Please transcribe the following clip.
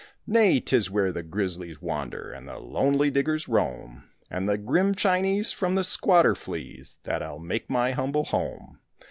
Nay, 'tis where the grizzlies wander And the lonely diggers roam, And the grim Chinese from the squatter flees That I'll make my humble home.